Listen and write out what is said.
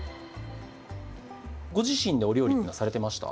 ご自身でお料理っていうのはされてました？